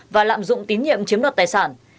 và lạm dụng tín nhiệm chiếm đoạt tài sản